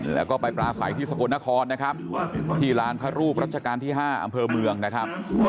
แล้วก็ไปปราศัยที่สกลนครนะครับที่ลานพระรูปรัชกาลที่๕อำเภอเมืองนะครับ